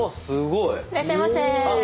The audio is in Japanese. いらっしゃいませ。